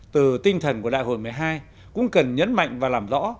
từ tinh thần của đại hội một mươi hai cũng cần nhấn mạnh và làm rõ